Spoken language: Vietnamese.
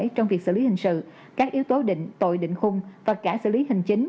trong việc xử lý hình sự các yếu tố định tội định khung và cả xử lý hành chính